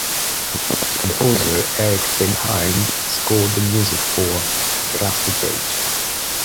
Composer Eric Beheim scored the music for "The Plastic Age".